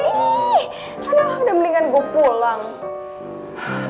aduh udah mendingan gue pulang